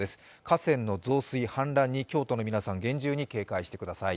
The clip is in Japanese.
河川の増水・氾濫に京都の皆さん、厳重に警戒してください。